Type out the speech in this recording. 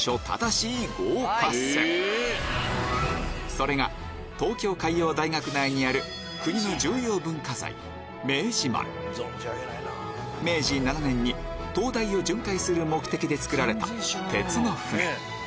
それが東京海洋大学内にある明治７年に灯台を巡回する目的で造られた鉄の船